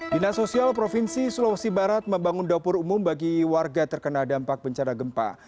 dinas sosial provinsi sulawesi barat membangun dapur umum bagi warga terkena dampak bencana gempa